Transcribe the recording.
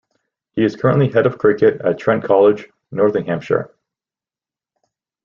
He is currently Head of Cricket at Trent College, Nottinghamshire.